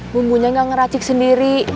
bumbunya nggak ngeracik sendiri